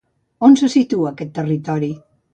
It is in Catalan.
On se situa aquest territori?